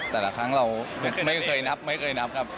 แต่ละครั้งเราไม่เคยนับไม่เคยนับครับ